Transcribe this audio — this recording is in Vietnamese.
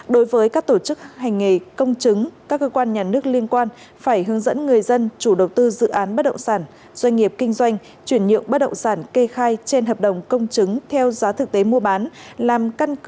đối với các tổ chức hành nghề công chứng các cơ quan nhà nước liên quan phải hướng dẫn người dân chủ đầu tư dự án bất động sản doanh nghiệp kinh doanh chuyển nhượng bất động sản kê khai trên hợp đồng công chứng theo giá thực tế mua bán